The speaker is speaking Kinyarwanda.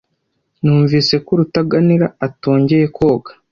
Numvise ko Rutaganira atongeye koga.